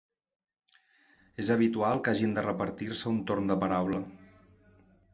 És habitual que hagin de repartir-se un torn de paraula.